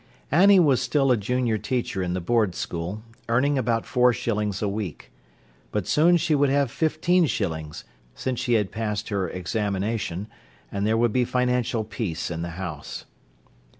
Annie was still a junior teacher in the Board school, earning about four shillings a week. But soon she would have fifteen shillings, since she had passed her examination, and there would be financial peace in the house.